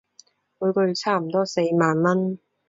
每個月差唔多四萬文